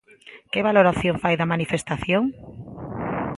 Que valoración fai da manifestación?